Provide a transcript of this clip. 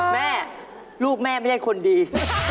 แม่ลูกแม่ไม่ใช่คนดี